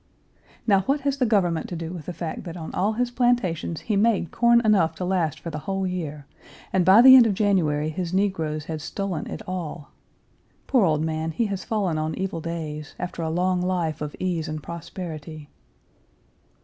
Now, what has the government to do with the fact that on all his plantations he made corn enough to last for the whole year, and by the end of January his negroes had stolen it all, Poor old man, he has fallen on evil days, after a long life of ease and prosperity.